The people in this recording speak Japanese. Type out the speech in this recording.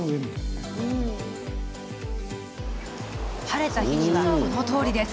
晴れた日には、このとおり。